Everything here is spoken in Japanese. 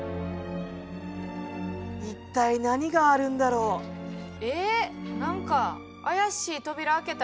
一体何があるんだろ？え？